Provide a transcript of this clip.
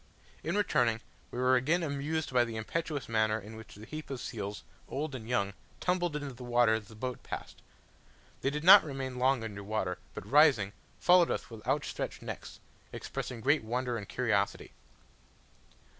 In returning, we were again amused by the impetuous manner in which the heap of seals, old and young, tumbled into the water as the boat passed. They did not remain long under water, but rising, followed us with outstretched necks, expressing great wonder and curiosity.